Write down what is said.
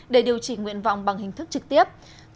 để điều chỉnh nguyện vọng bằng hình thức trực tiếp